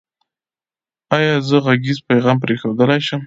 ایا زه غږیز پیغام پریښودلی شم؟